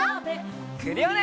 クリオネ！